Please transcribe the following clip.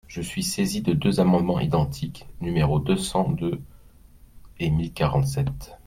Je suis saisi de deux amendements identiques, numéros deux cent deux et mille quarante-sept.